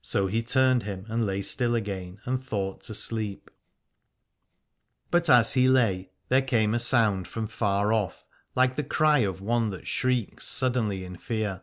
So he turned him and lay still again and thought to sleep. But as he lay there came a sound from far off, like the cry of one that shrieks suddenly in fear.